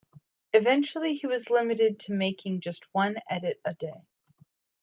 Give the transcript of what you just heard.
Eventually he was limited to making just one edit a day.